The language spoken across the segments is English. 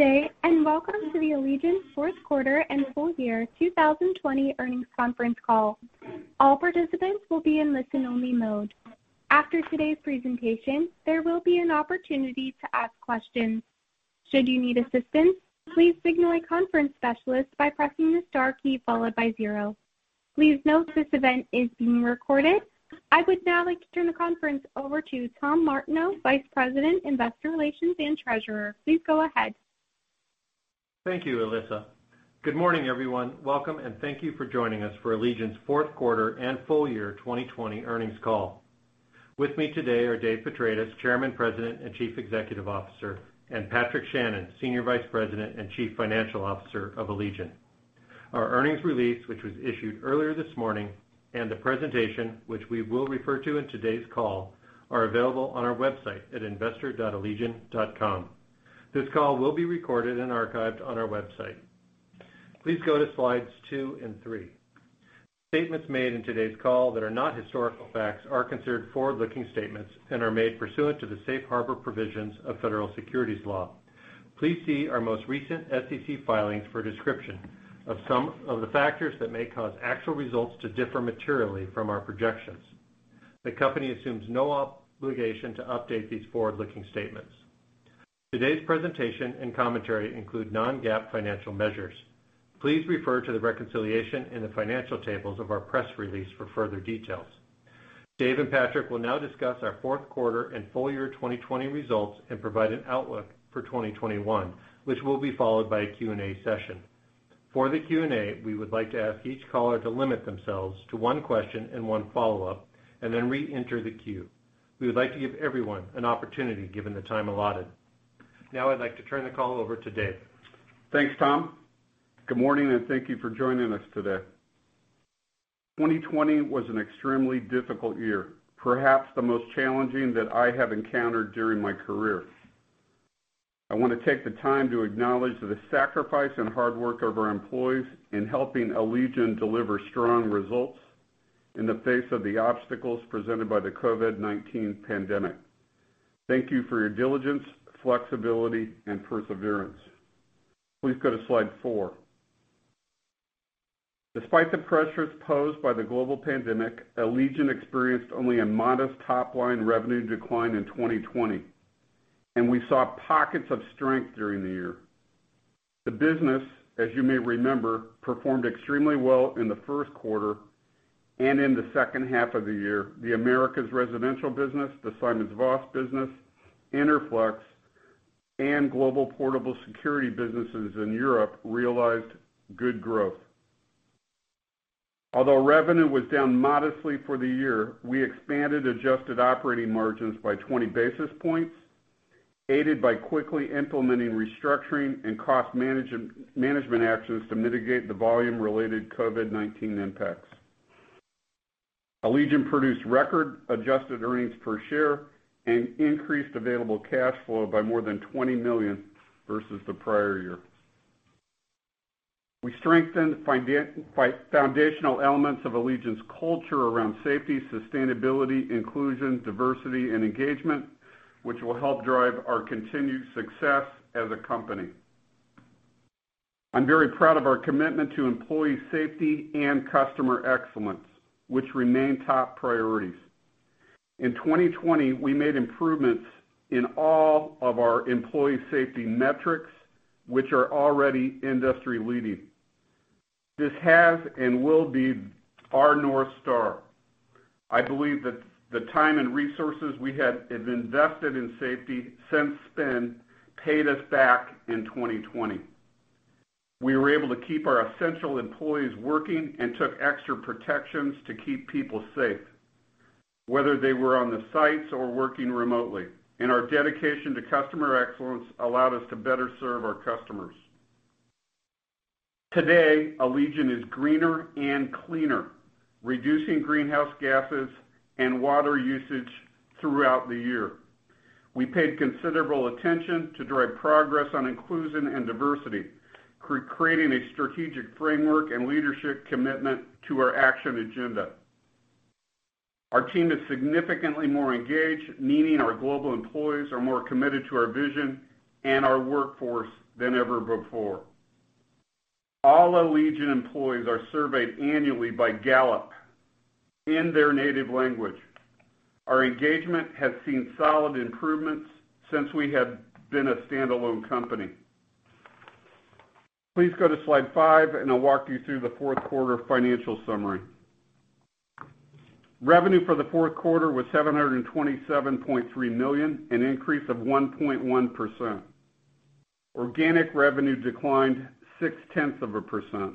Good day, and welcome to the Allegion fourth quarter and full year 2020 earnings conference call. All participants will be in listen-only mode. After today's presentation, there will be an opportunity to ask questions. Should you need assistance, please signal a conference specialist by pressing the star key followed by zero. Please note this event is being recorded. I would now like to turn the conference over to Tom Martineau, Vice President, Investor Relations, and Treasurer. Please go ahead. Thank you, Elissa. Good morning, everyone. Welcome, and thank you for joining us for Allegion's fourth quarter and full year 2020 earnings call. With me today are Dave Petratis, Chairman, President, and Chief Executive Officer, and Patrick Shannon, Senior Vice President and Chief Financial Officer of Allegion. Our earnings release, which was issued earlier this morning, and the presentation, which we will refer to in today's call, are available on our website at investor.allegion.com. This call will be recorded and archived on our website. Please go to slides two and three. Statements made in today's call that are not historical facts are considered forward-looking statements and are made pursuant to the safe harbor provisions of federal securities law. Please see our most recent SEC filings for a description of some of the factors that may cause actual results to differ materially from our projections. The company assumes no obligation to update these forward-looking statements. Today's presentation and commentary include non-GAAP financial measures. Please refer to the reconciliation in the financial tables of our press release for further details. Dave and Patrick will now discuss our fourth quarter and full year 2020 results and provide an outlook for 2021, which will be followed by a Q&A session. For the Q&A, we would like to ask each caller to limit themselves to one question and one follow-up, and then reenter the queue. We would like to give everyone an opportunity given the time allotted. Now I'd like to turn the call over to Dave. Thanks, Tom. Good morning, and thank you for joining us today. 2020 was an extremely difficult year, perhaps the most challenging that I have encountered during my career. I want to take the time to acknowledge the sacrifice and hard work of our employees in helping Allegion deliver strong results in the face of the obstacles presented by the COVID-19 pandemic. Thank you for your diligence, flexibility, and perseverance. Please go to slide four. Despite the pressures posed by the global pandemic, Allegion experienced only a modest top-line revenue decline in 2020, and we saw pockets of strength during the year. The business, as you may remember, performed extremely well in the first quarter and in the second half of the year. The Americas residential business, the SimonsVoss business, Interflex, and Global Portable Security businesses in Europe realized good growth. Although revenue was down modestly for the year, we expanded adjusted operating margins by 20 basis points, aided by quickly implementing restructuring and cost management actions to mitigate the volume-related COVID-19 impacts. Allegion produced record adjusted earnings per share and increased available cash flow by more than $20 million versus the prior year. We strengthened foundational elements of Allegion's culture around safety, sustainability, inclusion, diversity, and engagement, which will help drive our continued success as a company. I'm very proud of our commitment to employee safety and customer excellence, which remain top priorities. In 2020, we made improvements in all of our employee safety metrics, which are already industry-leading. This has and will be our North Star. I believe that the time and resources we have invested in safety since spin paid us back in 2020. We were able to keep our essential employees working and took extra protections to keep people safe, whether they were on the sites or working remotely. Our dedication to customer excellence allowed us to better serve our customers. Today, Allegion is greener and cleaner, reducing greenhouse gases and water usage throughout the year. We paid considerable attention to drive progress on inclusion and diversity, creating a strategic framework and leadership commitment to our action agenda. Our team is significantly more engaged, meaning our global employees are more committed to our vision and our workforce than ever before. All Allegion employees are surveyed annually by Gallup in their native language. Our engagement has seen solid improvements since we have been a standalone company. Please go to slide five, and I'll walk you through the fourth quarter financial summary. Revenue for the fourth quarter was $727.3 million, an increase of 1.1%. Organic revenue declined 0.6%.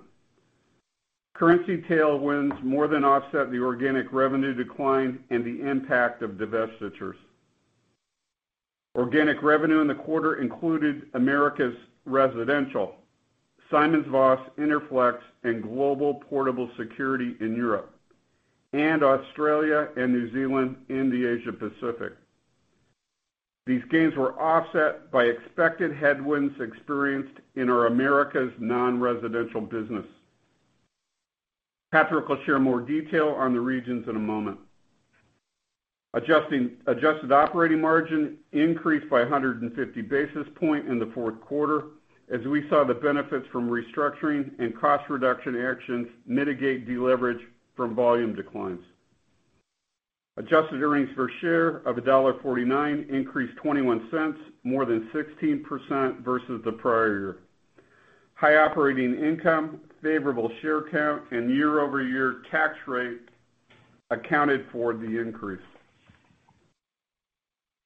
Currency tailwinds more than offset the organic revenue decline and the impact of divestitures. Organic revenue in the quarter included Americas Residential, SimonsVoss, Interflex, and Global Portable Security in Europe, and Australia and New Zealand in the Asia Pacific. These gains were offset by expected headwinds experienced in our Americas non-residential business. Patrick will share more detail on the regions in a moment. Adjusted operating margin increased by 150 basis points in the fourth quarter, as we saw the benefits from restructuring and cost reduction actions mitigate deleverage from volume declines. Adjusted earnings per share of $1.49 increased $0.21, more than 16% versus the prior year. High operating income, favorable share count, and year-over-year tax rate accounted for the increase.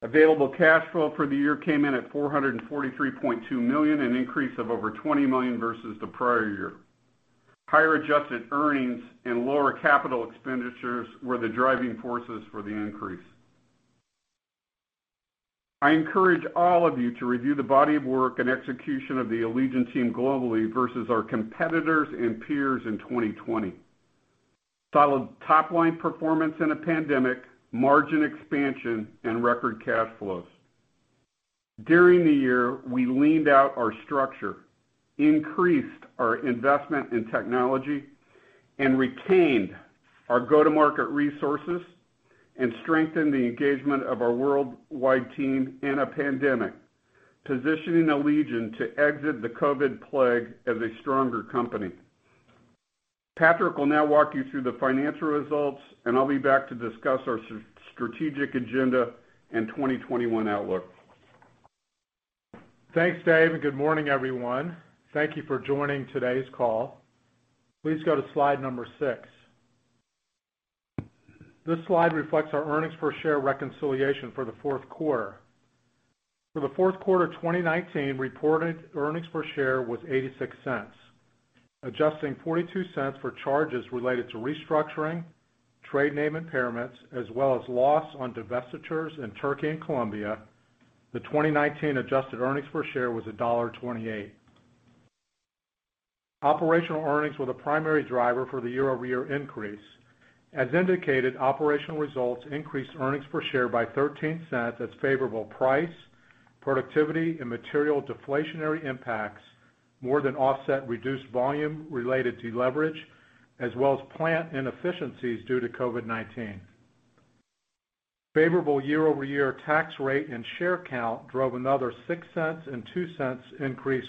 Available cash flow for the year came in at $443.2 million, an increase of over $20 million versus the prior year. Higher adjusted earnings and lower capital expenditures were the driving forces for the increase. I encourage all of you to review the body of work and execution of the Allegion team globally versus our competitors and peers in 2020. Solid top-line performance in a pandemic, margin expansion, and record cash flows. During the year, we leaned out our structure, increased our investment in technology, and retained our go-to-market resources, and strengthened the engagement of our worldwide team in a pandemic, positioning Allegion to exit the COVID plague as a stronger company. Patrick will now walk you through the financial results, and I'll be back to discuss our strategic agenda and 2021 outlook. Thanks, Dave, and good morning, everyone. Thank you for joining today's call. Please go to slide number six. This slide reflects our earnings per share reconciliation for the fourth quarter. For the fourth quarter of 2019, reported earnings per share was $0.86. Adjusting $0.42 for charges related to restructuring, trade name impairments, as well as loss on divestitures in Turkey and Colombia, the 2019 adjusted earnings per share was $1.28. Operational earnings were the primary driver for the year-over-year increase. As indicated, operational results increased earnings per share by $0.13 as favorable price, productivity, and material deflationary impacts more than offset reduced volume related to leverage, as well as plant inefficiencies due to COVID-19. Favorable year-over-year tax rate and share count drove another $0.06 and $0.02 increase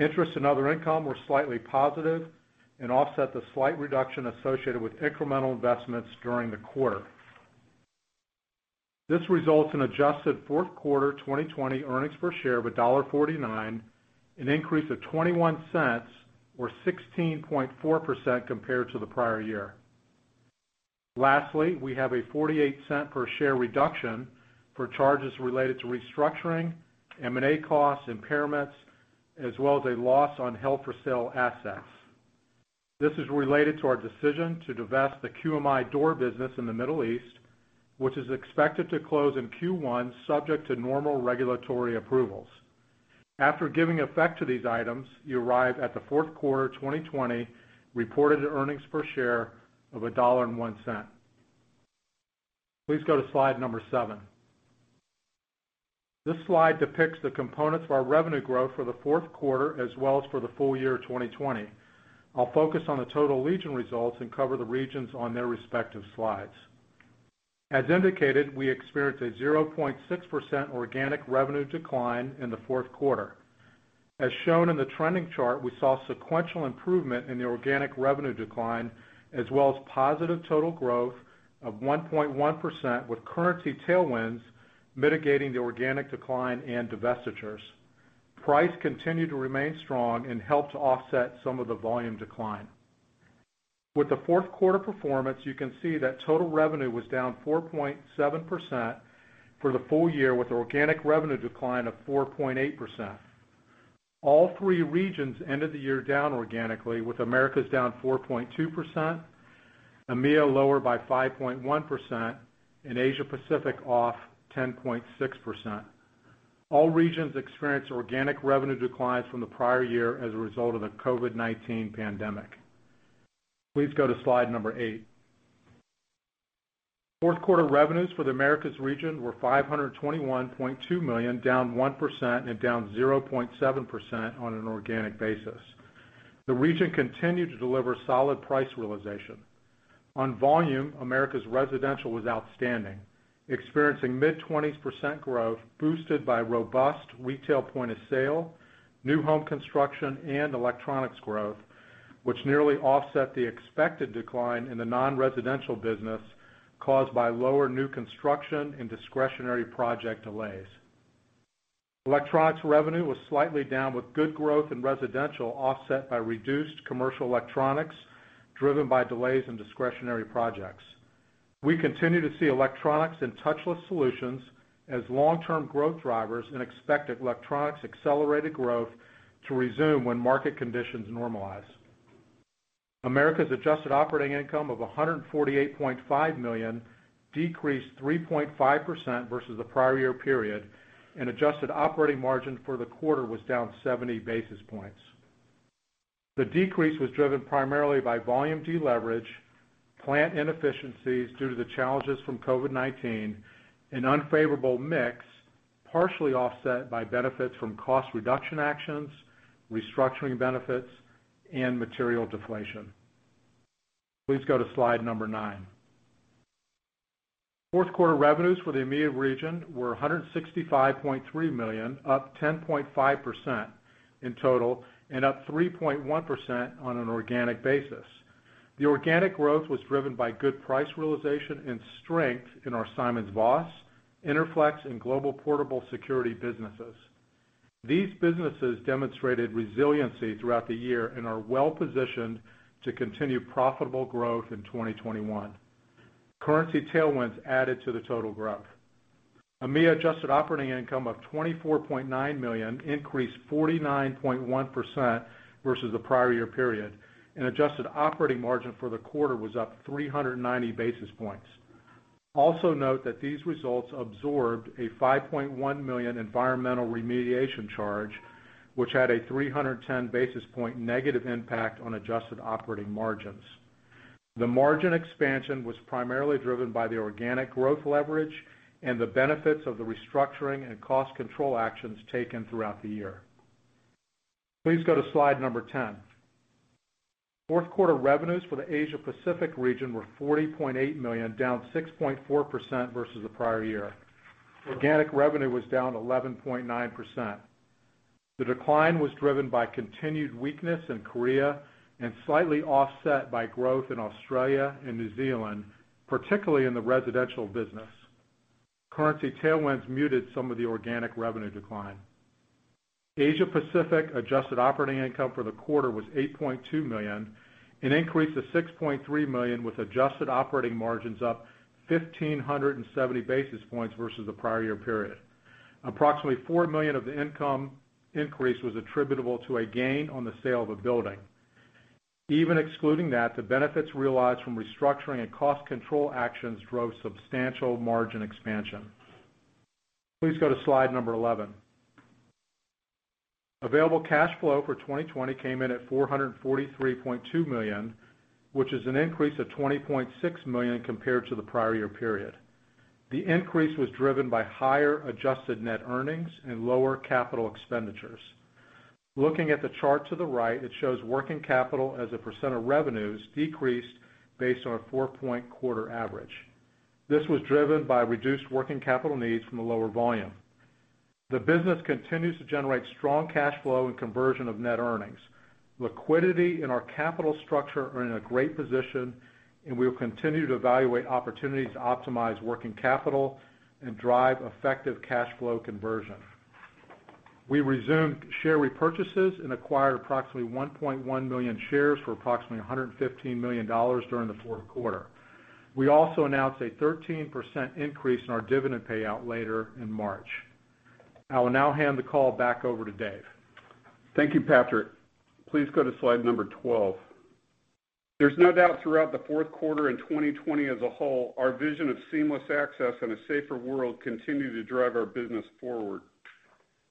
respectively. Interest and other income were slightly positive and offset the slight reduction associated with incremental investments during the quarter. This results in adjusted fourth quarter 2020 earnings per share of $1.49, an increase of $0.21 or 16.4% compared to the prior year. We have a $0.48 per share reduction for charges related to restructuring, M&A costs, impairments, as well as a loss on held-for-sale assets. This is related to our decision to divest the QMI door business in the Middle East, which is expected to close in Q1 subject to normal regulatory approvals. After giving effect to these items, you arrive at the fourth quarter 2020 reported earnings per share of $1.01. Please go to slide number seven. This slide depicts the components of our revenue growth for the fourth quarter as well as for the full year 2020. I'll focus on the total Allegion results and cover the regions on their respective slides. As indicated, we experienced a 0.6% organic revenue decline in the fourth quarter. As shown in the trending chart, we saw sequential improvement in the organic revenue decline, as well as positive total growth of 1.1% with currency tailwinds mitigating the organic decline and divestitures. Price continued to remain strong and helped to offset some of the volume decline. With the fourth quarter performance, you can see that total revenue was down 4.7% for the full year with organic revenue decline of 4.8%. All three regions ended the year down organically with Americas down 4.2%, EMEA lower by 5.1%, and Asia Pacific off 10.6%. All regions experienced organic revenue declines from the prior year as a result of the COVID-19 pandemic. Please go to slide number eight. Fourth quarter revenues for the Americas region were $521.2 million, down 1% and down 0.7% on an organic basis. The region continued to deliver solid price realization. On volume, Americas residential was outstanding, experiencing mid-20% growth boosted by robust retail point of sale, new home construction, and electronics growth, which nearly offset the expected decline in the non-residential business caused by lower new construction and discretionary project delays. Electronics revenue was slightly down with good growth in residential offset by reduced commercial electronics driven by delays in discretionary projects. We continue to see electronics and touchless solutions as long-term growth drivers and expect electronics accelerated growth to resume when market conditions normalize. Americas adjusted operating income of $148.5 million decreased 3.5% versus the prior year period, and adjusted operating margin for the quarter was down 70 basis points. The decrease was driven primarily by volume deleverage. Plant inefficiencies due to the challenges from COVID-19 and unfavorable mix, partially offset by benefits from cost reduction actions, restructuring benefits, and material deflation. Please go to slide number nine. Fourth quarter revenues for the EMEA region were $165.3 million, up 10.5% in total and up 3.1% on an organic basis. The organic growth was driven by good price realization and strength in our SimonsVoss, Interflex, and Global Portable Security businesses. These businesses demonstrated resiliency throughout the year and are well-positioned to continue profitable growth in 2021. Currency tailwinds added to the total growth. EMEA adjusted operating income of $24.9 million increased 49.1% versus the prior year period, and adjusted operating margin for the quarter was up 390 basis points. Also note that these results absorbed a $5.1 million environmental remediation charge, which had a 310 basis point negative impact on adjusted operating margins. The margin expansion was primarily driven by the organic growth leverage and the benefits of the restructuring and cost control actions taken throughout the year. Please go to slide number 10. Fourth quarter revenues for the Asia Pacific region were $40.8 million, down 6.4% versus the prior year. Organic revenue was down 11.9%. The decline was driven by continued weakness in Korea and slightly offset by growth in Australia and New Zealand, particularly in the residential business. Currency tailwinds muted some of the organic revenue decline. Asia Pacific adjusted operating income for the quarter was $8.2 million, an increase of $6.3 million with adjusted operating margins up 1,570 basis points versus the prior year period. Approximately $4 million of the income increase was attributable to a gain on the sale of a building. Even excluding that, the benefits realized from restructuring and cost control actions drove substantial margin expansion. Please go to slide number 11. Available cash flow for 2020 came in at $443.2 million, which is an increase of $20.6 million compared to the prior year period. The increase was driven by higher adjusted net earnings and lower capital expenditures. Looking at the chart to the right, it shows working capital as a percent of revenues decreased based on a four-point quarter average. This was driven by reduced working capital needs from the lower volume. The business continues to generate strong cash flow and conversion of net earnings. Liquidity in our capital structure are in a great position, and we will continue to evaluate opportunities to optimize working capital and drive effective cash flow conversion. We resumed share repurchases and acquired approximately 1.1 million shares for approximately $115 million during the fourth quarter. We also announced a 13% increase in our dividend payout later in March. I will now hand the call back over to Dave. Thank you, Patrick. Please go to slide number 12. There's no doubt throughout the fourth quarter and 2020 as a whole, our vision of seamless access and a safer world continue to drive our business forward.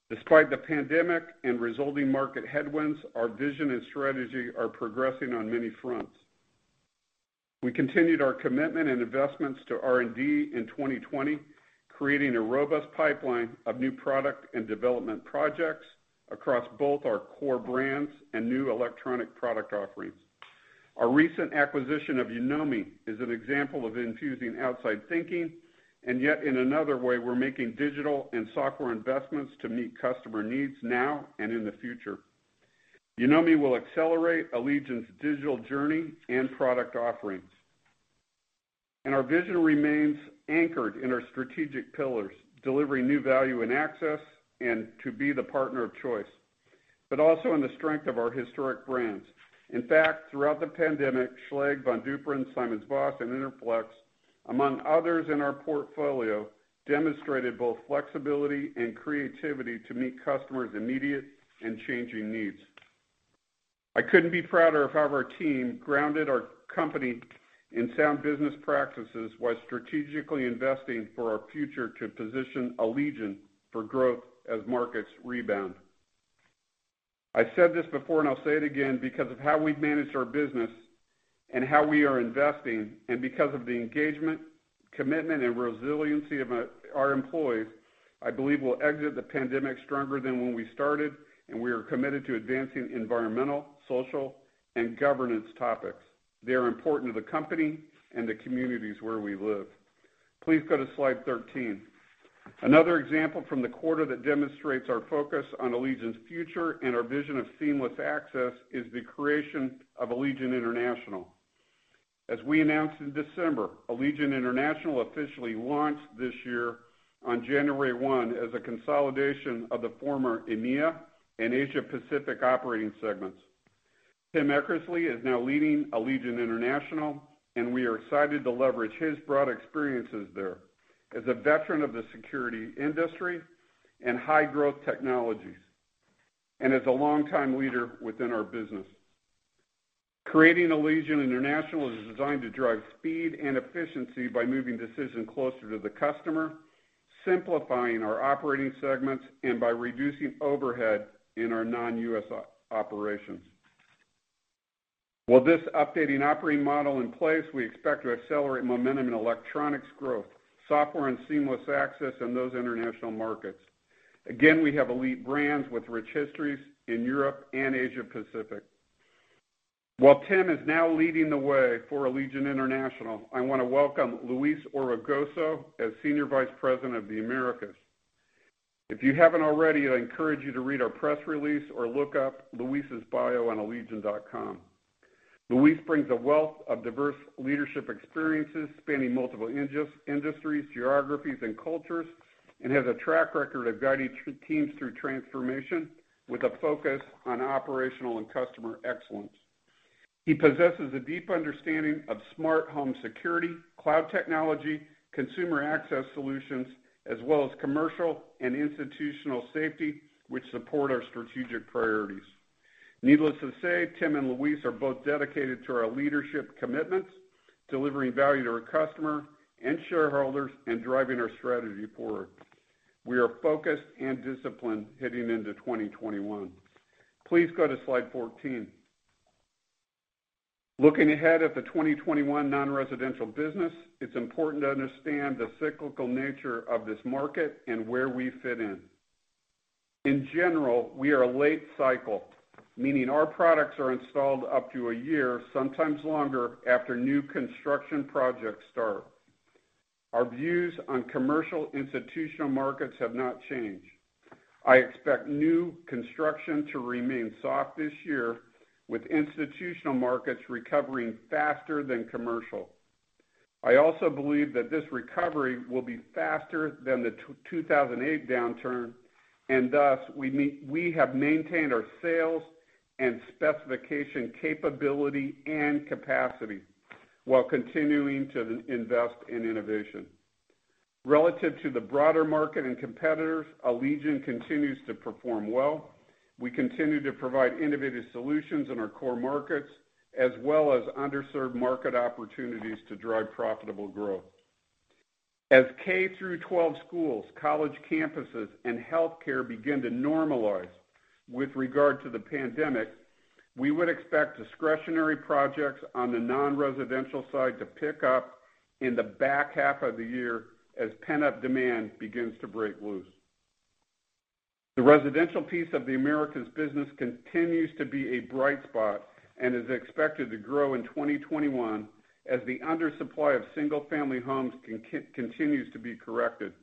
Despite the pandemic and resulting market headwinds, our vision and strategy are progressing on many fronts. We continued our commitment and investments to R&D in 2020, creating a robust pipeline of new product and development projects across both our core brands and new electronic product offerings. Our recent acquisition of Yonomi is an example of infusing outside thinking, and yet in another way, we're making digital and software investments to meet customer needs now and in the future. Yonomi will accelerate Allegion's digital journey and product offerings. Our vision remains anchored in our strategic pillars, delivering new value in access and to be the partner of choice, but also in the strength of our historic brands. In fact, throughout the pandemic, Schlage, Von Duprin, SimonsVoss, and Interflex, among others in our portfolio, demonstrated both flexibility and creativity to meet customers' immediate and changing needs. I couldn't be prouder of how our team grounded our company in sound business practices while strategically investing for our future to position Allegion for growth as markets rebound. I said this before and I'll say it again, because of how we've managed our business and how we are investing, and because of the engagement, commitment, and resiliency of our employees, I believe we'll exit the pandemic stronger than when we started, and we are committed to advancing environmental, social, and governance topics. They are important to the company and the communities where we live. Please go to slide 13. Another example from the quarter that demonstrates our focus on Allegion's future and our vision of seamless access is the creation of Allegion International. As we announced in December, Allegion International officially launched this year on January 1 as a consolidation of the former EMEA and Asia Pacific operating segments. Tim Eckersley is now leading Allegion International, and we are excited to leverage his broad experiences there as a veteran of the security industry and high-growth technologies, and as a long-time leader within our business. Creating Allegion International is designed to drive speed and efficiency by moving decision closer to the customer, simplifying our operating segments and by reducing overhead in our non-U.S. operations. With this updated operating model in place, we expect to accelerate momentum in electronics growth, software, and seamless access in those international markets. Again, we have elite brands with rich histories in Europe and Asia Pacific. While Tim is now leading the way for Allegion International, I want to welcome Luis Orbegoso as Senior Vice President of the Americas. If you haven't already, I encourage you to read our press release or look up Luis's bio on allegion.com. Luis brings a wealth of diverse leadership experiences spanning multiple industries, geographies, and cultures, and has a track record of guiding teams through transformation with a focus on operational and customer excellence. He possesses a deep understanding of smart home security, cloud technology, consumer access solutions, as well as commercial and institutional safety, which support our strategic priorities. Needless to say, Tim and Luis are both dedicated to our leadership commitments, delivering value to our customer and shareholders, and driving our strategy forward. We are focused and disciplined heading into 2021. Please go to slide 14. Looking ahead at the 2021 non-residential business, it's important to understand the cyclical nature of this market and where we fit in. In general, we are late cycle, meaning our products are installed up to a year, sometimes longer, after new construction projects start. Our views on commercial institutional markets have not changed. I expect new construction to remain soft this year, with institutional markets recovering faster than commercial. I also believe that this recovery will be faster than the 2008 downturn, and thus we have maintained our sales and specification capability and capacity while continuing to invest in innovation. Relative to the broader market and competitors, Allegion continues to perform well. We continue to provide innovative solutions in our core markets, as well as underserved market opportunities to drive profitable growth. As K-12 schools, college campuses, and healthcare begin to normalize with regard to the pandemic, we would expect discretionary projects on the non-residential side to pick up in the back half of the year as pent-up demand begins to break loose. The residential piece of the Americas business continues to be a bright spot and is expected to grow in 2021 as the undersupply of single-family homes continues to be corrected.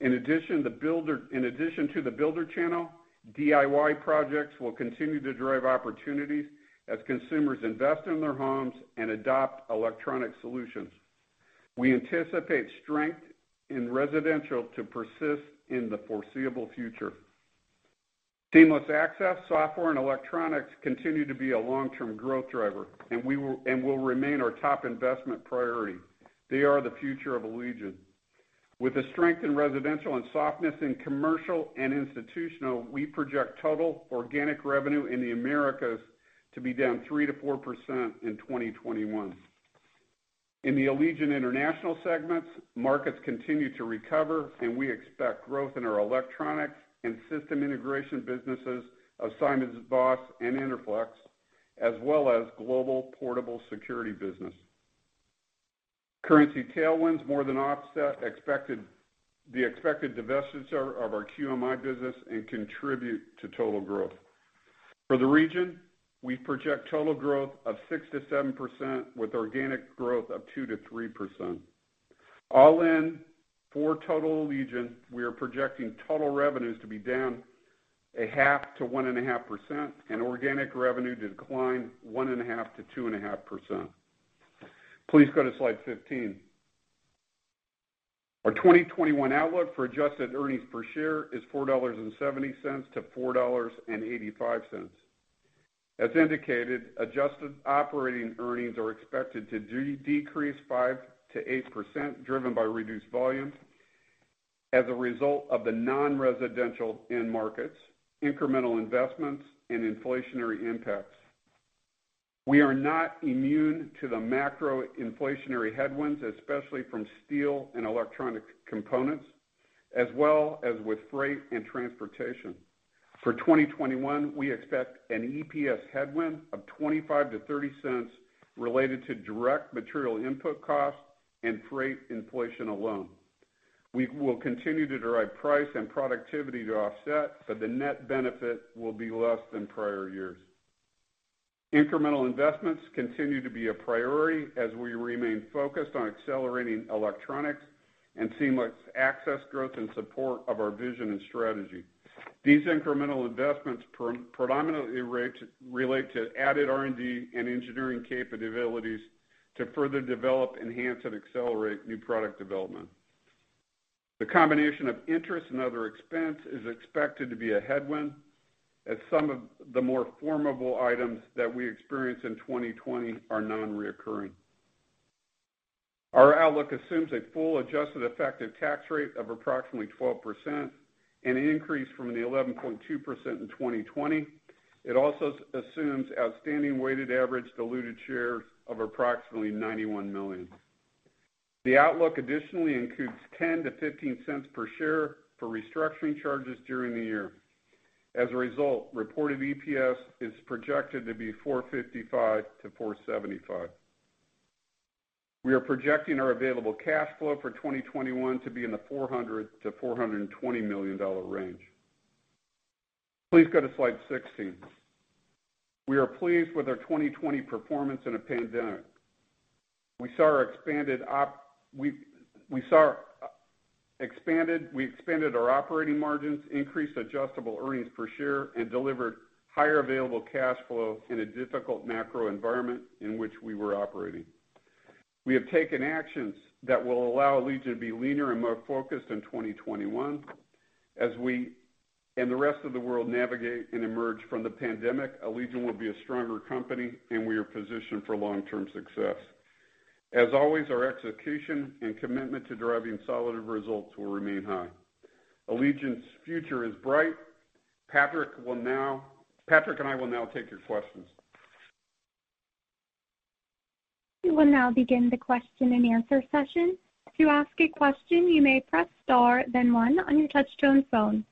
In addition to the builder channel, DIY projects will continue to drive opportunities as consumers invest in their homes and adopt electronic solutions. We anticipate strength in residential to persist in the foreseeable future. Seamless access, software, and electronics continue to be a long-term growth driver and will remain our top investment priority. They are the future of Allegion. With the strength in residential and softness in commercial and institutional, we project total organic revenue in the Americas to be down 3%-4% in 2021. In the Allegion International segments, markets continue to recover, and we expect growth in our electronics and system integration businesses of SimonsVoss and Interflex, as well as Global Portable Security business. Currency tailwinds more than offset the expected divestiture of our QMI business and contribute to total growth. For the region, we project total growth of 6%-7% with organic growth of 2%-3%. All in, for total Allegion, we are projecting total revenues to be down 0.5%-1.5% and organic revenue decline 1.5%-2.5%. Please go to slide 15. Our 2021 outlook for adjusted earnings per share is $4.70-$4.85. As indicated, adjusted operating earnings are expected to decrease 5%-8%, driven by reduced volume as a result of the non-residential end markets, incremental investments, and inflationary impacts. We are not immune to the macro inflationary headwinds, especially from steel and electronic components, as well as with freight and transportation. For 2021, we expect an EPS headwind of $0.25-$0.30 related to direct material input costs and freight inflation alone. We will continue to drive price and productivity to offset, but the net benefit will be less than prior years. Incremental investments continue to be a priority as we remain focused on accelerating electronics and seamless access growth in support of our vision and strategy. These incremental investments predominantly relate to added R&D and engineering capabilities to further develop, enhance, and accelerate new product development. The combination of interest and other expense is expected to be a headwind as some of the more favorable items that we experienced in 2020 are non-recurring. Our outlook assumes a full adjusted effective tax rate of approximately 12%, an increase from the 11.2% in 2020. It also assumes outstanding weighted average diluted shares of approximately 91 million. The outlook additionally includes $0.10-$0.15 per share for restructuring charges during the year. As a result, reported EPS is projected to be $4.55-$4.75. We are projecting our available cash flow for 2021 to be in the $400 million-$420 million range. Please go to slide 16. We are pleased with our 2020 performance in a pandemic. We expanded our operating margins, increased adjusted earnings per share, and delivered higher available cash flow in a difficult macro environment in which we were operating. We have taken actions that will allow Allegion to be leaner and more focused in 2021. As we and the rest of the world navigate and emerge from the pandemic, Allegion will be a stronger company, and we are positioned for long-term success. As always, our execution and commitment to driving solid results will remain high. Allegion's future is bright. Patrick and I will now take your questions. We'll now begin the question and answer session. To ask a question, you may press star then one on your touchtone phone.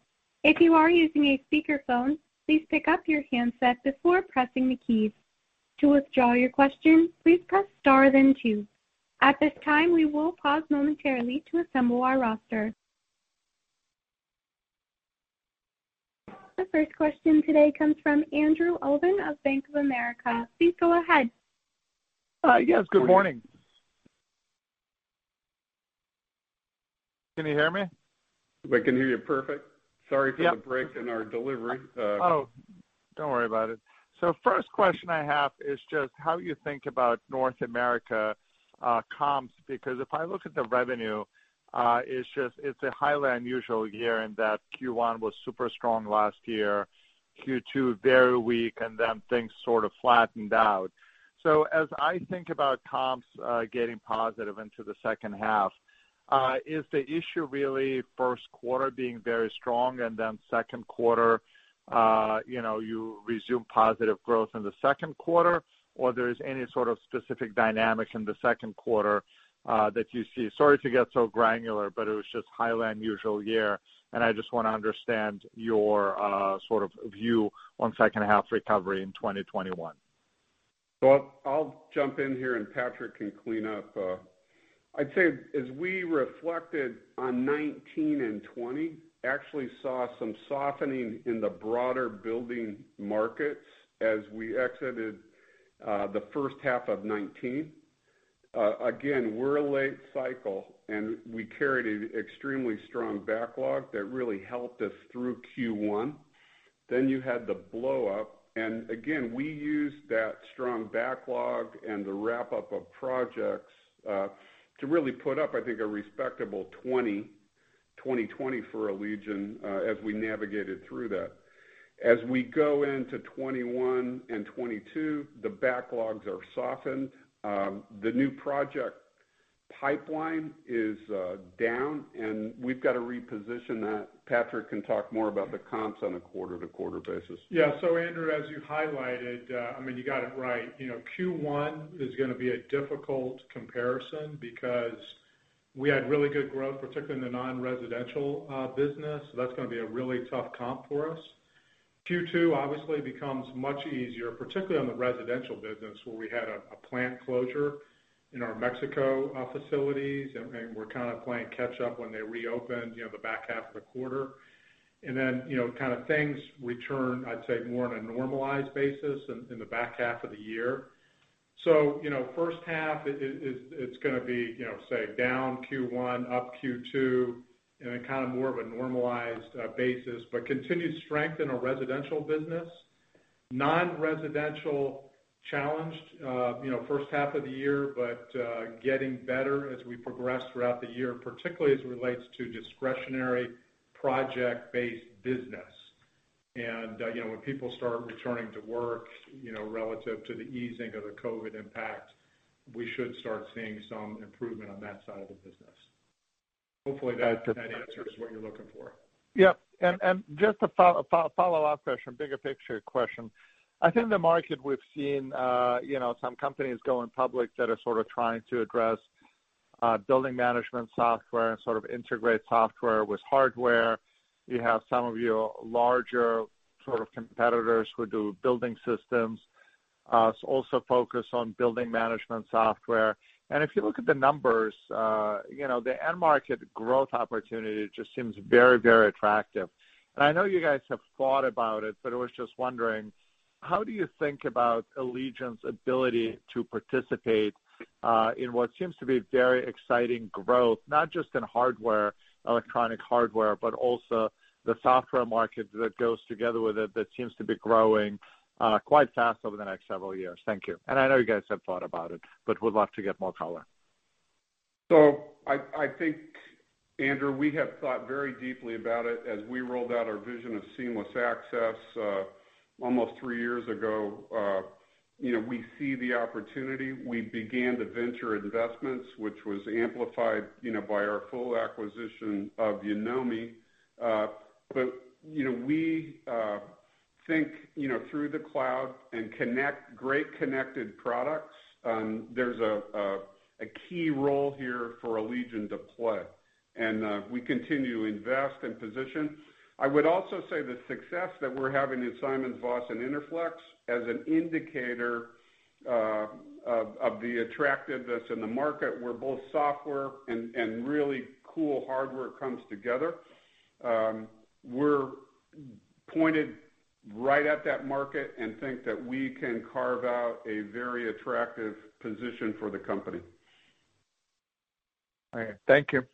If you are using a speakerphone, please pick up your handset before pressing the keys. To withdraw your question, please press star then two. At this time, we will pause momentarily to assemble our roster. The first question today comes from Andrew Obin of Bank of America. Please go ahead. Yes, good morning. Can you hear me? We can hear you perfectly. Sorry for the break in our delivery. Oh, don't worry about it. First question I have is just how you think about North America comps, because if I look at the revenue, it's a highly unusual year in that Q1 was super strong last year, Q2 very weak, and then things sort of flattened out. As I think about comps getting positive into the second half, is the issue really first quarter being very strong and then second quarter, you resume positive growth in the second quarter, or there's any sort of specific dynamic in the second quarter that you see? Sorry to get so granular, but it was just a highly unusual year, and I just want to understand your view on second half recovery in 2021. I'll jump in here and Patrick can clean up. I'd say as we reflected on 2019 and 2020, actually saw some softening in the broader building markets as we exited the first half of 2019. Again, we're a late cycle, and we carried an extremely strong backlog that really helped us through Q1. You had the blow-up, and again, we used that strong backlog and the wrap-up of projects to really put up, I think, a respectable 2020 for Allegion as we navigated through that. We go into 2021 and 2022, the backlogs are softened. The new project pipeline is down, and we've got to reposition that. Patrick can talk more about the comps on a quarter-to-quarter basis. Andrew, as you highlighted, you got it right. Q1 is going to be a difficult comparison because we had really good growth, particularly in the non-residential business. That's going to be a really tough comp for us. Q2 obviously becomes much easier, particularly on the residential business, where we had a plant closure in our Mexico facilities, and we're kind of playing catch up when they reopened the back half of the quarter. Things return, I'd say, more on a normalized basis in the back half of the year. First half, it's going to be, say, down Q1, up Q2, and then kind of more of a normalized basis, but continued strength in our residential business. Non-residential challenged first half of the year, but getting better as we progress throughout the year, particularly as it relates to discretionary project-based business. When people start returning to work, relative to the easing of the COVID-19 impact, we should start seeing some improvement on that side of the business. Hopefully that answers what you're looking for. Yeah. Just a follow-up question, bigger picture question. I think in the market we've seen some companies going public that are sort of trying to address building management software and sort of integrate software with hardware. You have some of your larger competitors who do building systems, also focus on building management software. If you look at the numbers, the end market growth opportunity just seems very attractive. I know you guys have thought about it, but I was just wondering, how do you think about Allegion's ability to participate in what seems to be very exciting growth, not just in electronic hardware, but also the software market that goes together with it that seems to be growing quite fast over the next several years? Thank you. I know you guys have thought about it, but would love to get more color. I think, Andrew, we have thought very deeply about it as we rolled out our vision of seamless access almost three years ago. We see the opportunity. We began the venture investments, which was amplified by our full acquisition of Yonomi. We think through the cloud and connect great connected products. There's a key role here for Allegion to play, and we continue to invest and position. I would also say the success that we're having in SimonsVoss and Interflex as an indicator of the attractiveness in the market, where both software and really cool hardware comes together. We're pointed right at that market and think that we can carve out a very attractive position for the company. All right. Thank you.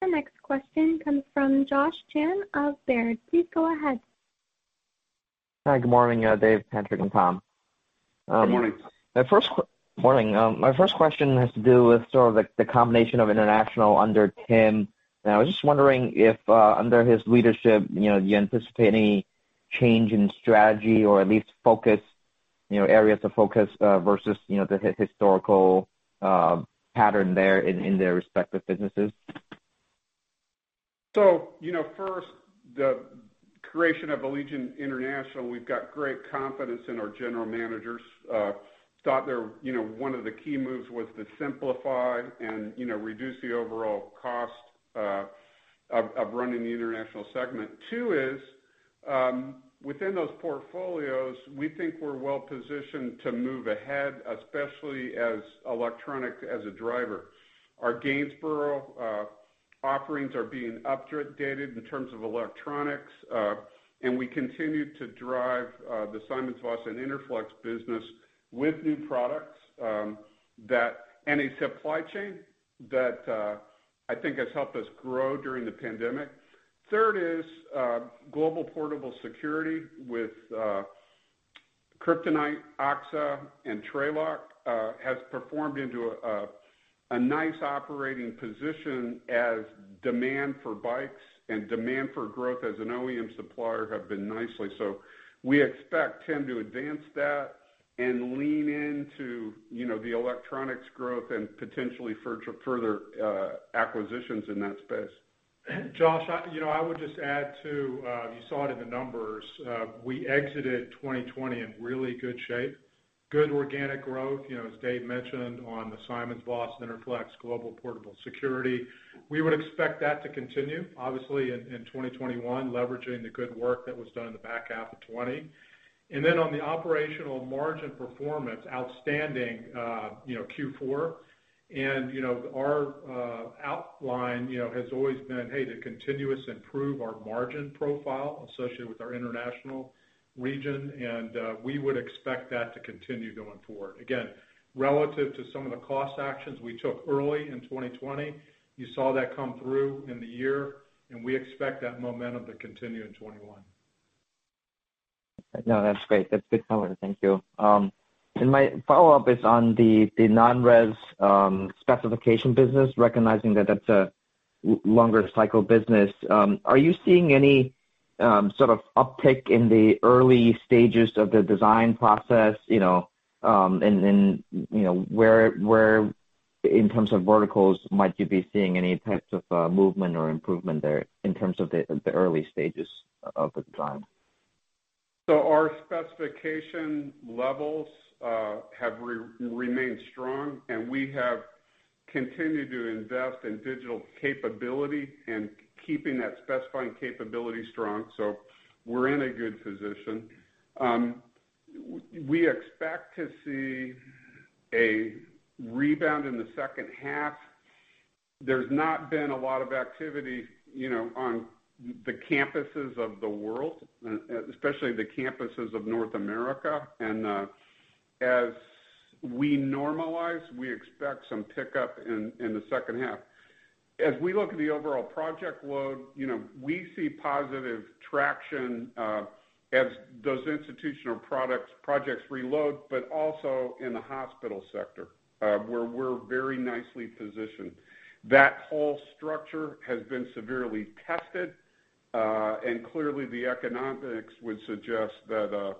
The next question comes from Josh Chan of Baird. Please go ahead. Hi. Good morning, Dave, Patrick, and Tom. Good morning. Morning. My first question has to do with sort of the combination of International under Tim. I was just wondering if under his leadership, do you anticipate any change in strategy or at least areas of focus versus the historical pattern there in their respective businesses? First, the creation of Allegion International, we've got great confidence in our general managers. Thought one of the key moves was to simplify and reduce the overall cost of running the international segment. Two, within those portfolios, we think we're well-positioned to move ahead, especially as electronic as a driver. Our Gainsborough offerings are being updated in terms of electronics. We continue to drive the SimonsVoss and Interflex business with new products and a supply chain that I think has helped us grow during the pandemic. Third, Global Portable Security with Kryptonite, AXA, and Trelock has performed into a nice operating position as demand for bikes and demand for growth as an OEM supplier have been nicely. We expect Tim to advance that and lean into the electronics growth and potentially further acquisitions in that space. Josh, I would just add too, you saw it in the numbers, we exited 2020 in really good shape. Good organic growth, as Dave mentioned, on the SimonsVoss and Interflex Global Portable Security. We would expect that to continue, obviously, in 2021, leveraging the good work that was done in the back half of 2020. On the operational margin performance, outstanding Q4. Our outline has always been, hey, to continuous improve our margin profile associated with our international region, we would expect that to continue going forward. Again, relative to some of the cost actions we took early in 2020, you saw that come through in the year, we expect that momentum to continue in 2021. No, that's great. That's a good comment. Thank you. My follow-up is on the non-res specification business, recognizing that that's a longer cycle business. Are you seeing any sort of uptick in the early stages of the design process? Where, in terms of verticals, might you be seeing any types of movement or improvement there in terms of the early stages of the design? Our specification levels have remained strong, and we have continued to invest in digital capability and keeping that specifying capability strong. We're in a good position. We expect to see a rebound in the second half. There's not been a lot of activity on the campuses of the world, especially the campuses of North America. As we normalize, we expect some pickup in the second half. As we look at the overall project load, we see positive traction as those institutional projects reload, but also in the hospital sector, where we're very nicely positioned. That whole structure has been severely tested, and clearly the economics would suggest that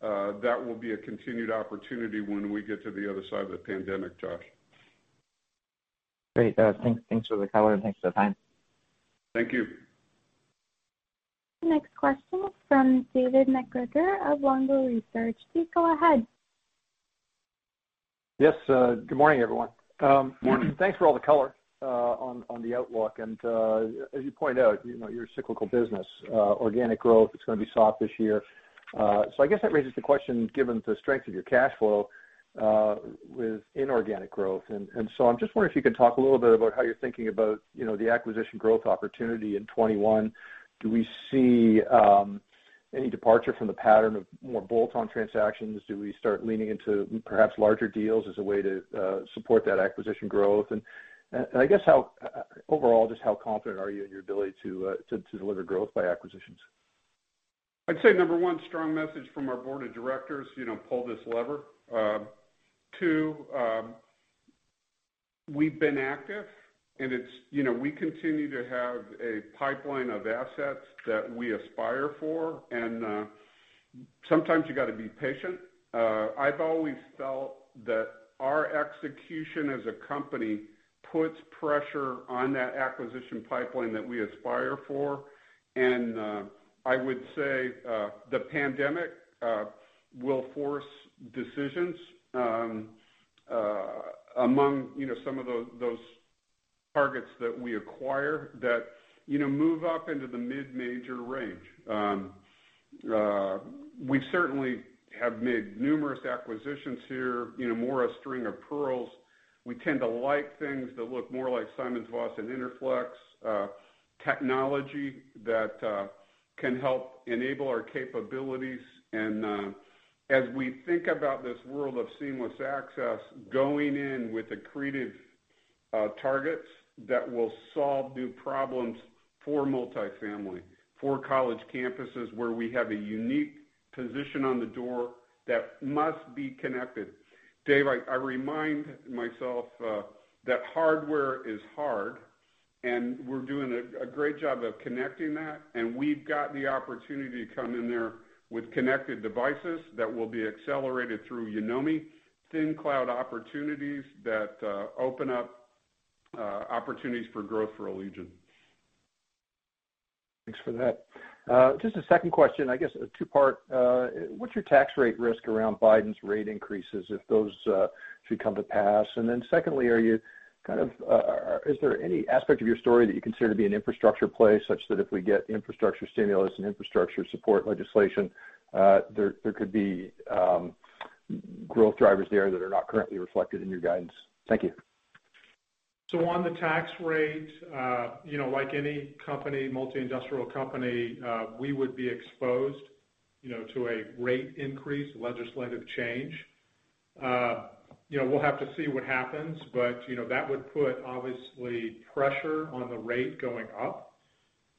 that will be a continued opportunity when we get to the other side of the pandemic, Josh. Great. Thanks for the color and thanks for the time. Thank you. Next question is from David MacGregor of Longbow Research. Please go ahead. Yes. Good morning, everyone. Morning. Thanks for all the color on the outlook. As you point out, you're a cyclical business. Organic growth, it's going to be soft this year. I guess that raises the question, given the strength of your cash flow with inorganic growth. I'm just wondering if you could talk a little bit about how you're thinking about the acquisition growth opportunity in 2021. Do we see any departure from the pattern of more bolt-on transactions? Do we start leaning into perhaps larger deals as a way to support that acquisition growth? I guess overall, just how confident are you in your ability to deliver growth by acquisitions? I'd say number one, strong message from our board of directors, pull this lever. Two, we've been active and we continue to have a pipeline of assets that we aspire for, and sometimes you got to be patient. I've always felt that our execution as a company puts pressure on that acquisition pipeline that we aspire for. I would say the pandemic will force decisions among some of those targets that we acquire that move up into the mid-major range. We certainly have made numerous acquisitions here, more a string of pearls. We tend to like things that look more like SimonsVoss and Interflex. Technology that can help enable our capabilities. As we think about this world of seamless access, going in with accretive targets that will solve new problems for multifamily, for college campuses where we have a unique position on the door that must be connected. Dave, I remind myself that hardware is hard, and we're doing a great job of connecting that. We've got the opportunity to come in there with connected devices that will be accelerated through Yonomi, thin cloud opportunities that open up opportunities for growth for Allegion. Thanks for that. Just a second question, I guess, a two-part. What's your tax rate risk around Biden's rate increases, if those should come to pass? Secondly, is there any aspect of your story that you consider to be an infrastructure play, such that if we get infrastructure stimulus and infrastructure support legislation, there could be growth drivers there that are not currently reflected in your guidance? Thank you. On the tax rate, like any company, multi-industrial company, we would be exposed to a rate increase, legislative change. We'll have to see what happens. That would put obviously pressure on the rate going up.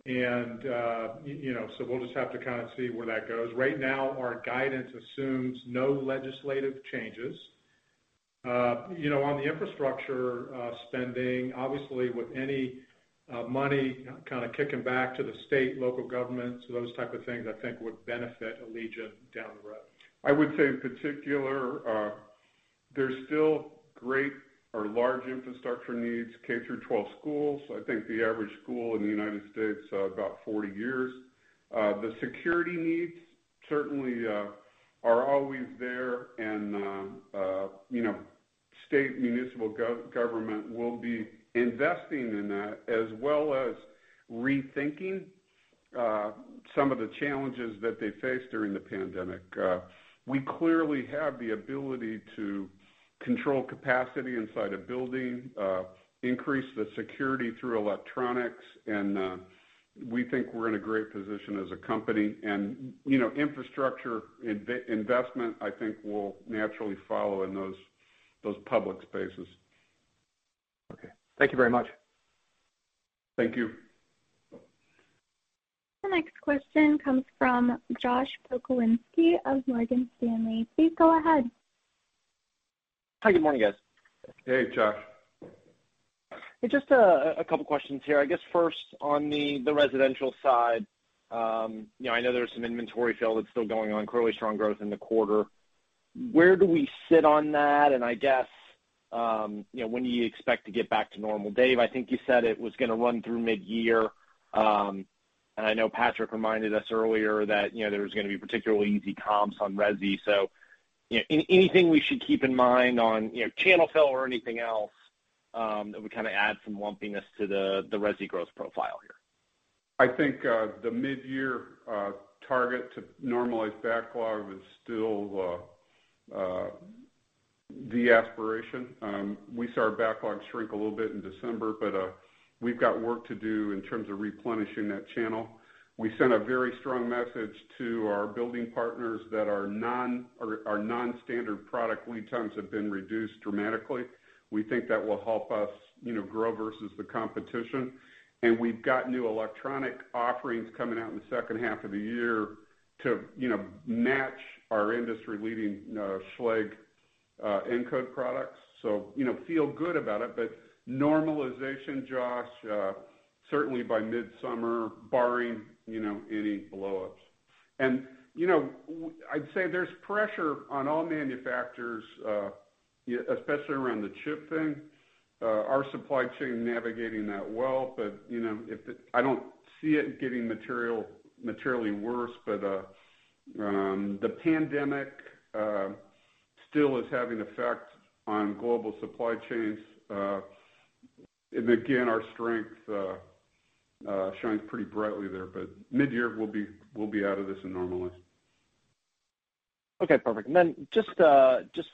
We'll just have to kind of see where that goes. Right now, our guidance assumes no legislative changes. On the infrastructure spending, obviously, with any money kind of kicking back to the state, local governments, those type of things, I think would benefit Allegion down the road. I would say in particular, there's still great or large infrastructure needs. K-12 schools, I think the average school in the U.S. is about 40 years. The security needs certainly are always there, and state municipal government will be investing in that, as well as rethinking some of the challenges that they faced during the pandemic. We clearly have the ability to control capacity inside a building, increase the security through electronics, and we think we're in a great position as a company. Infrastructure investment, I think, will naturally follow in those public spaces. Okay. Thank you very much. Thank you. The next question comes from Joshua Pokrzywinski of Morgan Stanley. Please go ahead. Hi, good morning, guys. Hey, Josh. Just a couple of questions here. I guess first on the residential side. I know there's some inventory fill that's still going on. Clearly strong growth in the quarter. Where do we sit on that, and I guess, when do you expect to get back to normal? Dave, I think you said it was going to run through mid-year, and I know Patrick reminded us earlier that there was going to be particularly easy comps on resi. Anything we should keep in mind on channel fill or anything else that would kind of add some lumpiness to the resi growth profile here? I think the mid-year target to normalize backlog is still the aspiration. We saw our backlog shrink a little bit in December, but we've got work to do in terms of replenishing that channel. We sent a very strong message to our building partners that our non-standard product lead times have been reduced dramatically. We think that will help us grow versus the competition. We've got new electronic offerings coming out in the second half of the year to match our industry-leading Schlage Encode products. Feel good about it. Normalization, Josh, certainly by mid-summer, barring any blowups. I'd say there's pressure on all manufacturers, especially around the chip thing. Our supply chain navigating that well, but I don't see it getting materially worse, but the pandemic still is having effect on global supply chains. Again, our strength shines pretty brightly there. Mid-year, we'll be out of this and normalized. Okay, perfect. Just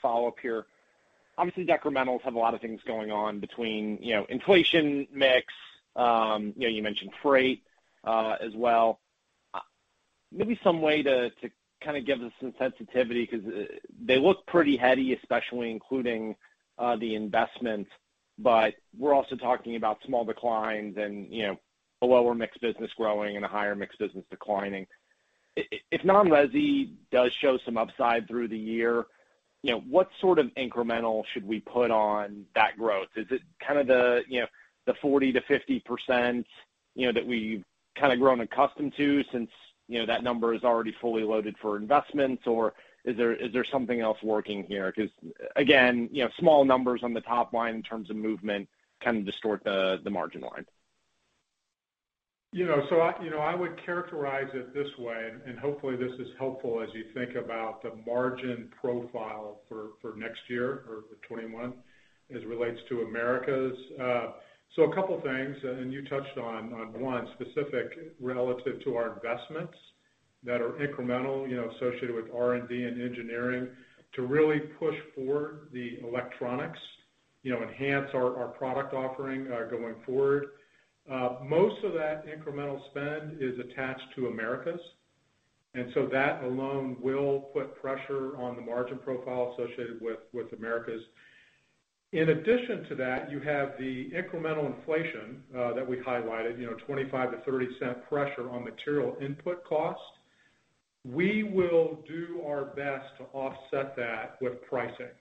follow up here. Obviously, decrementals have a lot of things going on between inflation mix. You mentioned freight as well. Maybe some way to kind of give us some sensitivity, because they look pretty heady, especially including the investment. We're also talking about small declines and a lower mix business growing and a higher mix business declining. If non-resi does show some upside through the year, what sort of incremental should we put on that growth? Is it the 40%-50% that we've grown accustomed to since that number is already fully loaded for investments, or is there something else working here? Again, small numbers on the top line in terms of movement kind of distort the margin line. I would characterize it this way, and hopefully this is helpful as you think about the margin profile for next year or for 2021 as it relates to Americas. A couple things, and you touched on one specific relative to our investments that are incremental associated with R&D and engineering to really push forward the electronics, enhance our product offering going forward. Most of that incremental spend is attached to Americas, that alone will put pressure on the margin profile associated with Americas. In addition to that, you have the incremental inflation that we highlighted, $0.25-$0.30 pressure on material input costs. We will do our best to offset that with pricing.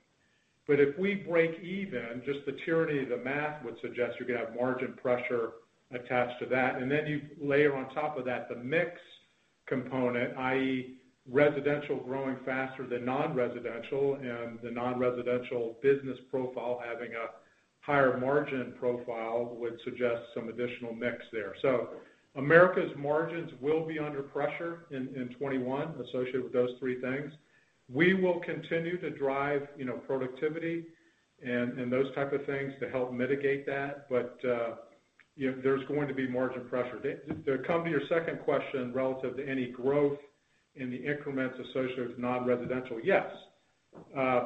If we break even, just the tyranny of the math would suggest you're going to have margin pressure attached to that. You layer on top of that the mix component, i.e., residential growing faster than non-residential, and the non-residential business profile having a higher margin profile would suggest some additional mix there. Americas margins will be under pressure in 2021 associated with those three things. We will continue to drive productivity and those type of things to help mitigate that. There's going to be margin pressure. To come to your second question relative to any growth in the increments associated with non-residential, yes.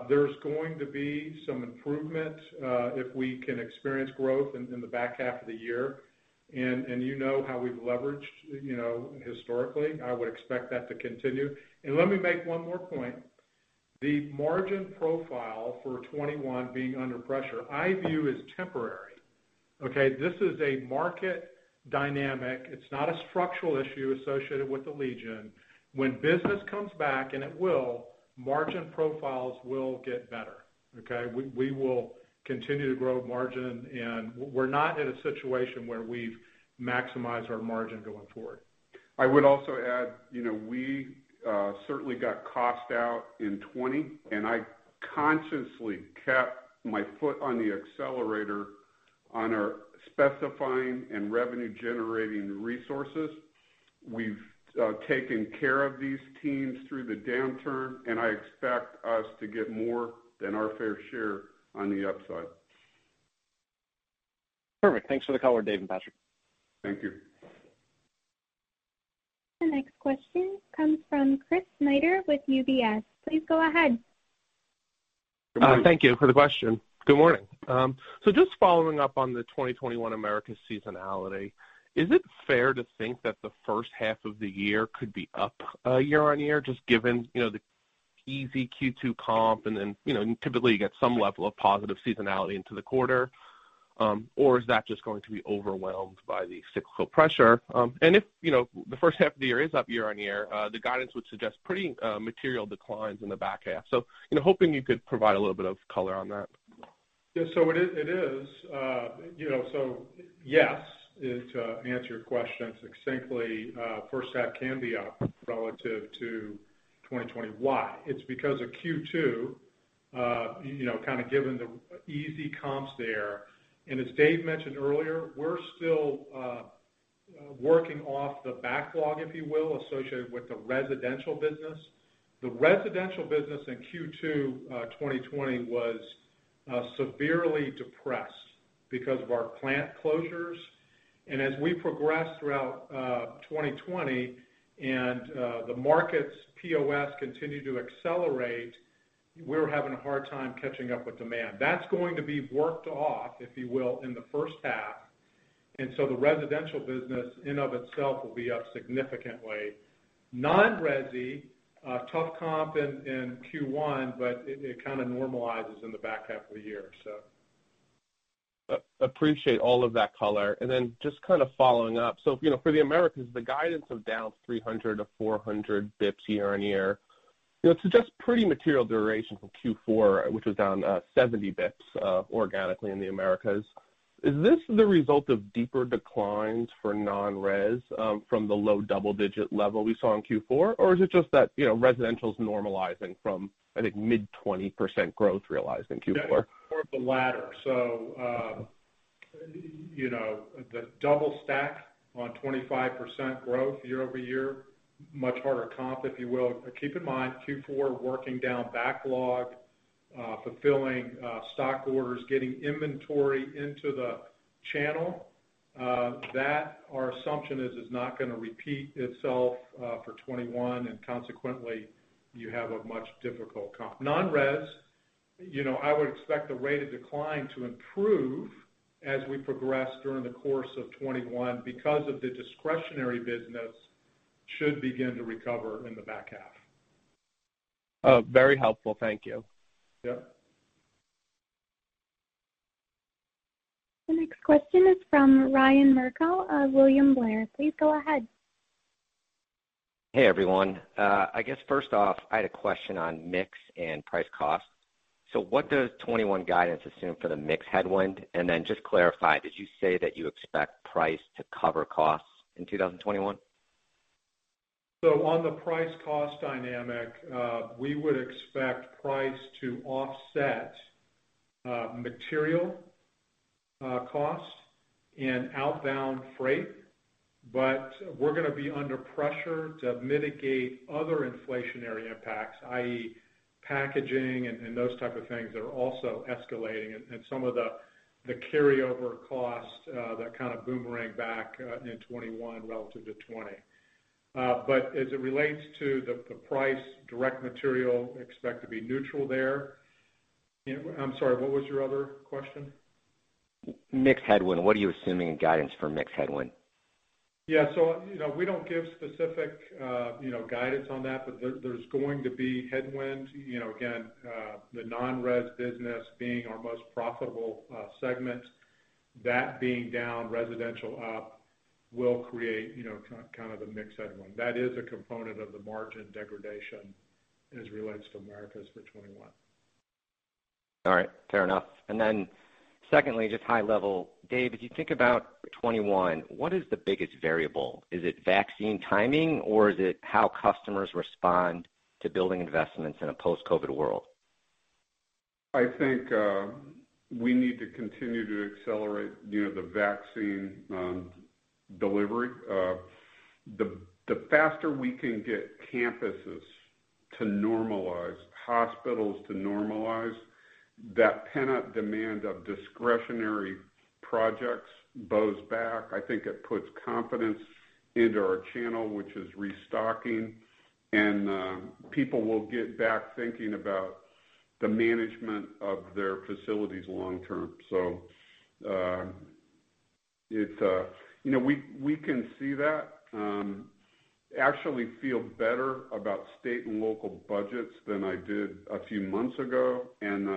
There's going to be some improvement if we can experience growth in the back half of the year, and you know how we've leveraged historically. I would expect that to continue. Let me make one more point. The margin profile for 2021 being under pressure, I view as temporary. Okay. This is a market dynamic. It's not a structural issue associated with Allegion. When business comes back, and it will, margin profiles will get better. Okay? We will continue to grow margin, and we're not in a situation where we've maximized our margin going forward. I would also add, we certainly got cost out in 2020. I consciously kept my foot on the accelerator on our specifying and revenue-generating resources. We've taken care of these teams through the downturn. I expect us to get more than our fair share on the upside. Perfect. Thanks for the color, Dave and Patrick. Thank you. The next question comes from Chris Snyder with UBS. Please go ahead. Thank you for the question. Good morning. Just following up on the 2021 Americas seasonality, is it fair to think that the first half of the year could be up year-over-year, just given the easy Q2 comp and then, typically you get some level of positive seasonality into the quarter? Is that just going to be overwhelmed by the cyclical pressure? If the first half of the year is up year-over-year, the guidance would suggest pretty material declines in the back half. I was hoping you could provide a little bit of color on that. It is. Yes, to answer your question succinctly, first half can be up relative to 2021. It's because of Q2, kind of given the easy comps there. As Dave mentioned earlier, we're still working off the backlog, if you will, associated with the residential business. The residential business in Q2 2020 was severely depressed because of our plant closures. As we progress throughout 2020 and the market's POS continue to accelerate, we're having a hard time catching up with demand. That's going to be worked off, if you will, in the first half. The residential business in of itself will be up significantly. Non-resi, tough comp in Q1, but it kind of normalizes in the back half of the year. Appreciate all of that color. Just kind of following up. For the Americas, the guidance of down 300 to 400 basis points year-over-year, it suggests pretty material duration from Q4, which was down 70 basis points organically in the Americas. Is this the result of deeper declines for non-res from the low double-digit level we saw in Q4? Is it just that residential's normalizing from, I think, mid-20% growth realized in Q4? More of the latter. The double stack on 25% growth year-over-year, much harder comp, if you will. Keep in mind, Q4, working down backlog, fulfilling stock orders, getting inventory into the channel. That, our assumption is not going to repeat itself for 2021. Consequently, you have a much difficult comp. Non-res, I would expect the rate of decline to improve as we progress during the course of 2021 because of the discretionary business should begin to recover in the back half. Oh, very helpful. Thank you. Yeah. The next question is from Ryan Merkel of William Blair. Please go ahead. Hey, everyone. I guess first off, I had a question on mix and price cost. What does 2021 guidance assume for the mix headwind? Just clarify, did you say that you expect price to cover costs in 2021? On the price cost dynamic, we would expect price to offset material cost and outbound freight, but we're going to be under pressure to mitigate other inflationary impacts, i.e., packaging and those type of things that are also escalating, and some of the carryover costs that kind of boomerang back in 2021 relative to 2020. As it relates to the price, direct material, expect to be neutral there. I'm sorry, what was your other question? Mix headwind. What are you assuming in guidance for mix headwind? Yeah. We don't give specific guidance on that. There's going to be headwinds. Again, the non-res business being our most profitable segment, that being down, residential up will create kind of a mix headwind. That is a component of the margin degradation as it relates to Americas for 2021. All right. Fair enough. Secondly, just high level, Dave, as you think about 2021, what is the biggest variable? Is it vaccine timing, or is it how customers respond to building investments in a post-COVID world? I think we need to continue to accelerate the vaccine delivery. The faster we can get campuses to normalize, hospitals to normalize, that pent-up demand of discretionary projects bodes back. I think it puts confidence into our channel, which is restocking. People will get back thinking about the management of their facilities long term. We can see that. Actually feel better about state and local budgets than I did a few months ago, and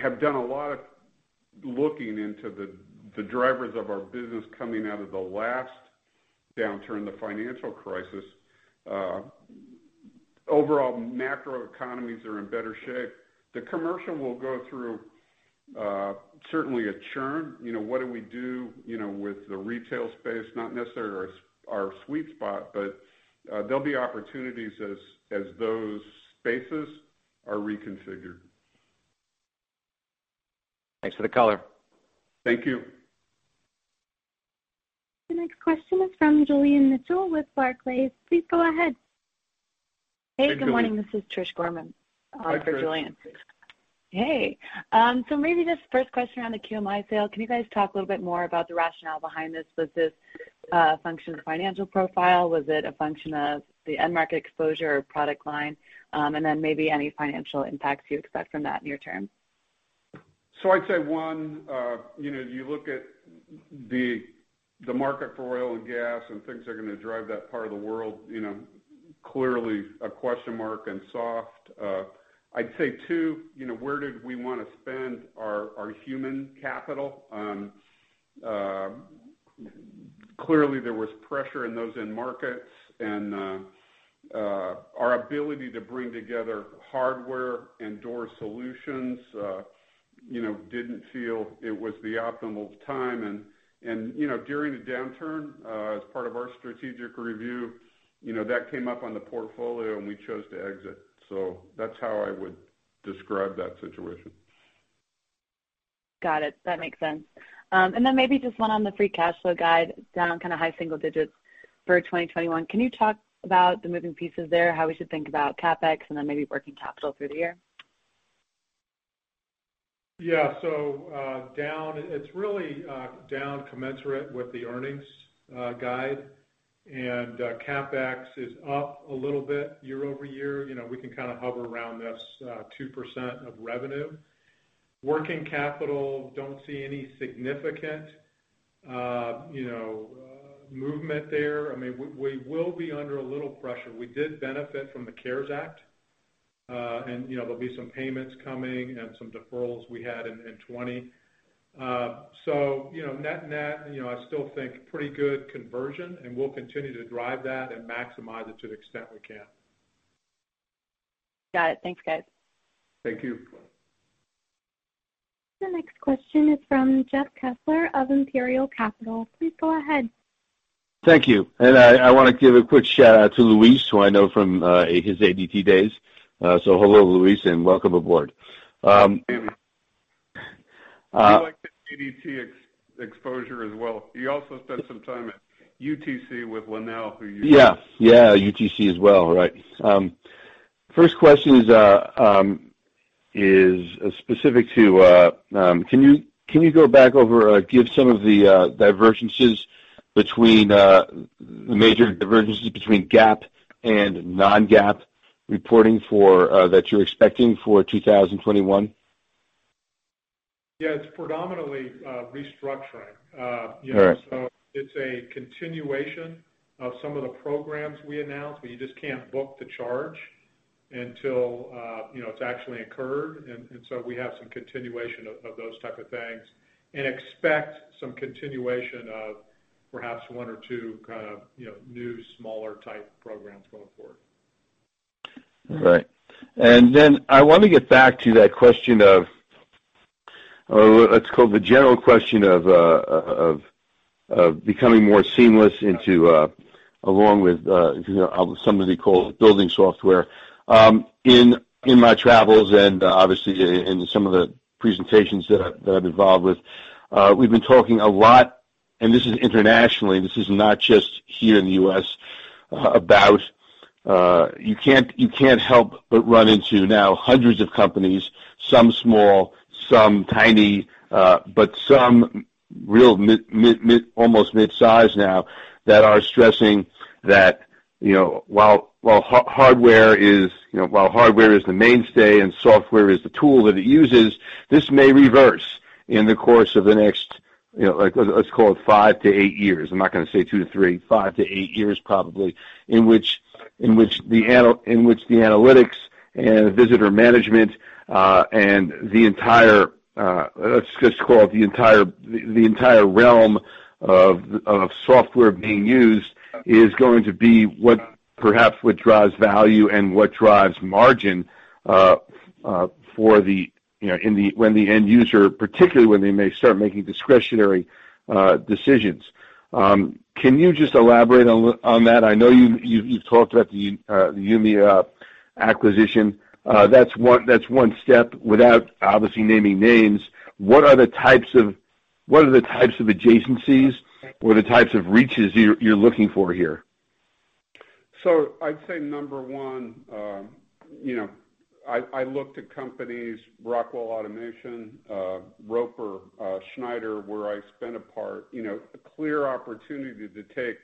have done a lot of looking into the drivers of our business coming out of the last downturn, the financial crisis. Overall, macro economies are in better shape. The commercial will go through certainly a churn. What do we do with the retail space, not necessarily our sweet spot, but there'll be opportunities as those spaces are reconfigured. Thanks for the color. Thank you. The next question is from Julian Mitchell with Barclays. Please go ahead. Hey, Julian. Hey, good morning. This is Trish Gorman. Hi, Trish. For Julian. Hey. Maybe just first question on the QMI sale. Can you guys talk a little bit more about the rationale behind this? Was this a function of financial profile? Was it a function of the end market exposure or product line? Maybe any financial impacts you expect from that near term. I'd say, one, you look at the market for oil and gas and things that are going to drive that part of the world, clearly a question mark and soft. I'd say two, where did we want to spend our human capital? Clearly, there was pressure in those end markets, and our ability to bring together hardware and door solutions, didn't feel it was the optimal time. During the downturn, as part of our strategic review, that came up on the portfolio, and we chose to exit. That's how I would describe that situation. Got it. That makes sense. Maybe just one on the free cash flow guide down kind of high single digits for 2021. Can you talk about the moving pieces there, how we should think about CapEx and then maybe working capital through the year? Yeah. Down, it's really down commensurate with the earnings guide. CapEx is up a little bit year-over-year. We can kind of hover around this 2% of revenue. Working capital, don't see any significant movement there. We will be under a little pressure. We did benefit from the CARES Act. There'll be some payments coming and some deferrals we had in 2020. Net-net, I still think pretty good conversion, and we'll continue to drive that and maximize it to the extent we can. Got it. Thanks, guys. Thank you. The next question is from Jeff Kessler of Imperial Capital. Please go ahead. Thank you. I want to give a quick shout-out to Luis, who I know from his ADT days. Hello, Luis, and welcome aboard. Thank you. We like the ADT exposure as well. He also spent some time at UTC with Lenel. Yeah, UTC as well. Right. First question is specific to, can you go back over, give some of the major divergences between GAAP and non-GAAP reporting that you're expecting for 2021? Yeah, it's predominantly restructuring. All right. It's a continuation of some of the programs we announced, but you just can't book the charge until it's actually occurred. We have some continuation of those type of things and expect some continuation of perhaps one or two kind of new, smaller type programs going forward. Right. I want to get back to that question of Let's call it the general question of becoming more seamless into, along with some of the call building software. In my travels and obviously in some of the presentations that I've involved with, we've been talking a lot, and this is internationally, this is not just here in the U.S., about you can't help but run into now hundreds of companies, some small, some tiny, but some real almost mid-size now that are stressing that while hardware is the mainstay and software is the tool that it uses, this may reverse in the course of the next, let's call it five to eight years. I'm not going to say two to three, five to eight years, probably, in which the analytics and visitor management, and the entire, let's just call it the entire realm of software being used is going to be perhaps what drives value and what drives margin when the end user, particularly when they may start making discretionary decisions. Can you just elaborate on that? I know you've talked about the Yonomi acquisition. That's one step. Without obviously naming names, what are the types of adjacencies or the types of reaches you're looking for here? I'd say number one, I looked at companies, Rockwell Automation, Roper, Schneider, where I spent a part. A clear opportunity to take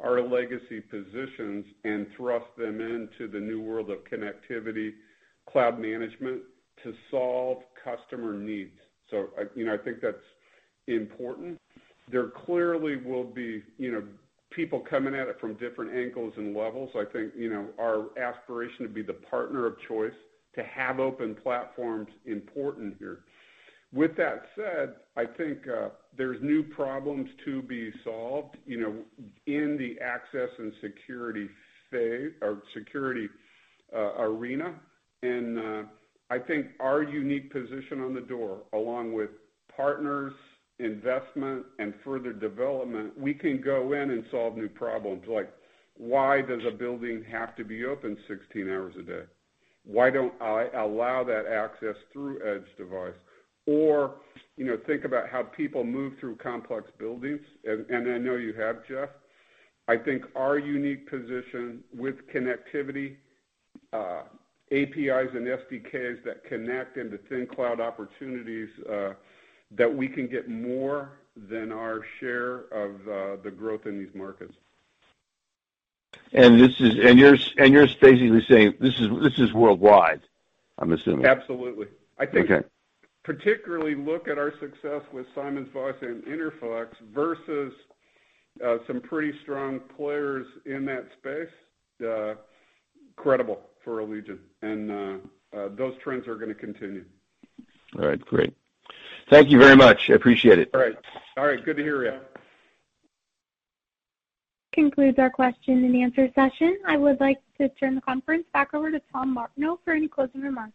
our legacy positions and thrust them into the new world of connectivity, cloud management to solve customer needs. I think that's important. There clearly will be people coming at it from different angles and levels. I think, our aspiration to be the partner of choice, to have open platforms, important here. With that said, I think there's new problems to be solved in the access and security arena. I think our unique position on the door, along with partners, investment, and further development, we can go in and solve new problems, like why does a building have to be open 16 hours a day? Why don't I allow that access through Edge device? Think about how people move through complex buildings, and I know you have, Jeff. I think our unique position with connectivity, APIs, and SDKs that connect into thin cloud opportunities, that we can get more than our share of the growth in these markets. You're basically saying this is worldwide, I'm assuming? Absolutely. Okay. I think, particularly look at our success with SimonsVoss and Interflex versus some pretty strong players in that space, credible for Allegion, and those trends are going to continue. All right, great. Thank you very much. I appreciate it. All right. Good to hear you. Concludes our question and answer session. I would like to turn the conference back over to Tom Martineau for any closing remarks.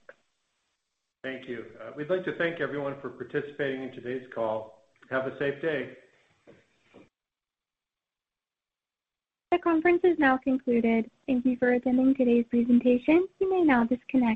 Thank you. We'd like to thank everyone for participating in today's call. Have a safe day. The conference is now concluded. Thank you for attending today's presentation. You may now disconnect.